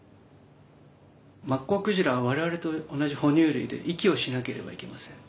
マッコウクジラは我々と同じ哺乳類で息をしなければいけません。